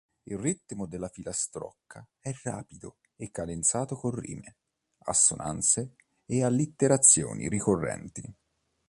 Il ritmo della filastrocca è rapido e cadenzato con rime, assonanze e allitterazioni ricorrenti.